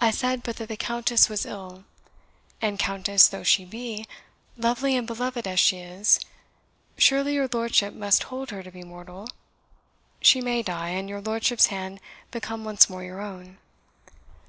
I said but that the Countess was ill. And Countess though she be lovely and beloved as she is surely your lordship must hold her to be mortal? She may die, and your lordship's hand become once more your own."